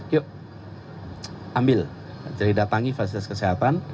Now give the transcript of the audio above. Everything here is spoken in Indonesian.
yuk ambil jadi datangi fasilitas kesehatan